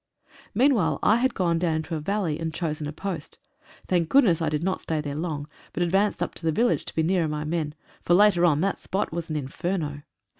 Meanwhile I had gone down into a valley and chosen a post. Thank goodness I did not stay there long, but advanced up to the village to be nearer my men, for later on, that spot was an inferno.